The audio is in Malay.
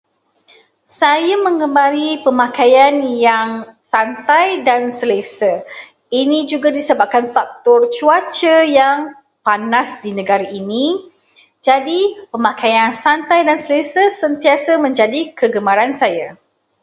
Saya menggemari pemakaian yang santai dan selesa. Ini juga disebabkan faktor cuaca yang panas di negara ini. Jadi, pemakaian santai dan selesa sentiasa menjadi kegemaran saya.